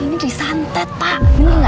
ini disantet pak